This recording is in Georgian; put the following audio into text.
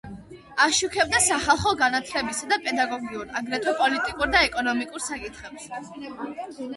აშუქებდა სახალხო განათლებისა და პედაგოგიურ, აგრეთვე პოლიტიკურ და ეკონომიკურ საკითხებს.